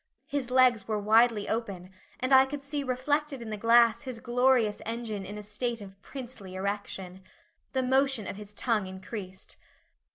His legs were widely open, and I could see reflected in the glass his glorious engine in a state of princely erection. The motion of his tongue increased.